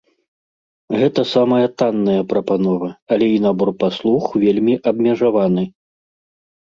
Гэта самая танная прапанова, але і набор паслуг вельмі абмежаваны.